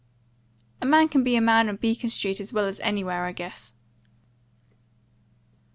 "A man can be a man on Beacon Street as well as anywhere, I guess."